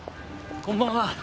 こんばんは。